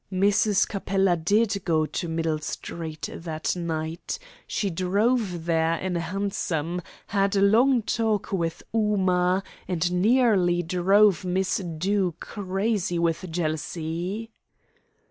"Mrs. Capella did go to Middle Street that night. She drove there in a hansom, had a long talk with Ooma, and nearly drove Miss Dew crazy with jealousy."